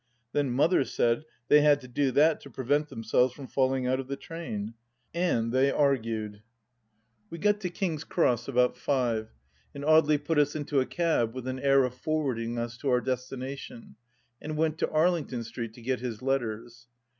Then Mother said they had to do that to prevent themselves from falling out of the train. And they argued 1 ... 122 THE LAST DITCH We got to King's Cross about five, and Audely put us into a cab with an air of forwarding us to our destination, and went to Arlington Street to get his letters.